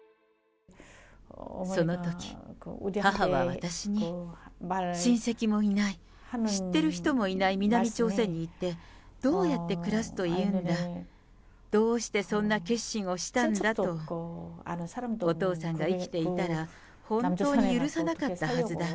そのとき、母は私に親戚もいない、知ってる人もいない南朝鮮に行って、どうやって暮らすというんだ、どうしてそんな決心をしたんだと、お父さんが生きていたら、本当に許さなかったはずだ。